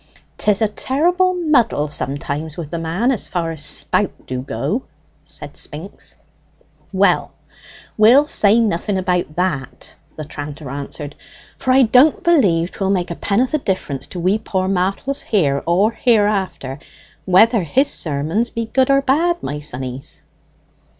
"'Tis a terrible muddle sometimes with the man, as far as spout do go," said Spinks. "Well, we'll say nothing about that," the tranter answered; "for I don't believe 'twill make a penneth o' difference to we poor martels here or hereafter whether his sermons be good or bad, my sonnies."